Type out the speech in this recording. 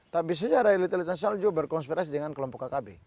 tapi bisa saja ada elit elit nasional juga berkonspirasi dengan kelompok kkb